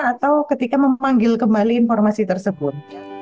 atau ketika memanggil kembali informasi tersebut